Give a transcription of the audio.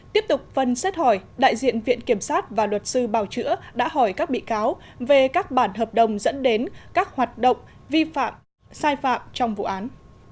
tiếp tục phân xét hỏi đại diện viện kiểm sát và luật sư bào chữa đã hỏi các bị cáo về các bản hợp đồng dẫn đến các hoạt động vi phạm sai phạm trong vụ án